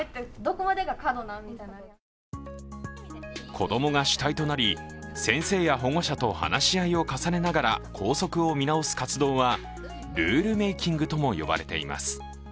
子供が主体となり、先生や保護者と話し合いを重ねながら校則を見直す活動はルールメイキングとも呼ばれています。